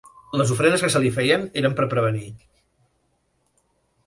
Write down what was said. Les ofrenes que se li feien eren per prevenir.